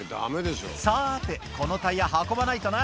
「さてこのタイヤ運ばないとな」